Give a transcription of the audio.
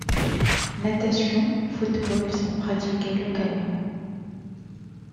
Natation, football sont pratiqués localement.